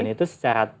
dan itu secara tes